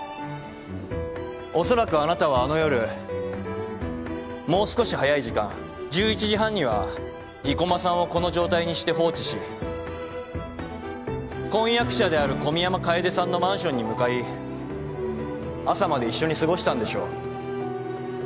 おそらくあなたはあの夜もう少し早い時間１１時半には生駒さんをこの状態にして放置し婚約者である小宮山楓さんのマンションに向かい朝まで一緒に過ごしたんでしょう。